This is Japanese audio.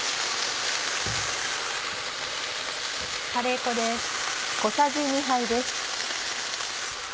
カレー粉です。